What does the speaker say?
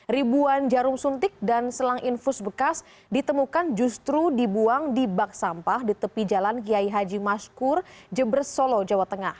ribuan jarum suntik dan selang infus bekas ditemukan justru dibuang di bak sampah di tepi jalan kiai haji maskur jember solo jawa tengah